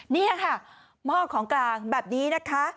นี่ค่ะหม้อของกลางแบบนี้นะคะ